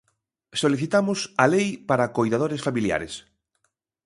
Solicitamos a lei para coidadores familiares.